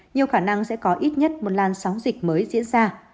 nhiều khả năng sẽ có ít nhất một làn sóng dịch mới diễn ra